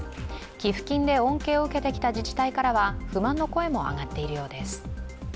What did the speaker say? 寄付金で恩恵を受けてきた自治体からは不満の声も上がっています。